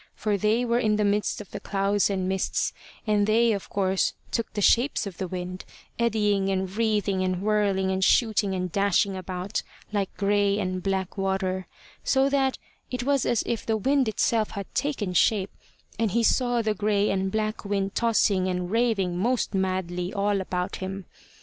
For they were in the midst of the clouds and mists, and they of course took the shapes of the wind, eddying and wreathing and whirling and shooting and dashing about like grey and black water, so that it was as if the wind itself had taken shape, and he saw the grey and black wind tossing and raving most madly all about him.